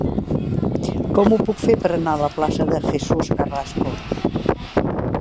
Com ho puc fer per anar a la plaça de Jesús Carrasco?